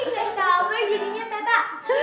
gak sabar gininya tante